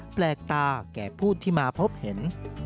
แปลกตาแก่ผู้ที่มาพบเห็น